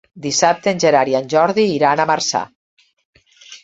Dissabte en Gerard i en Jordi iran a Marçà.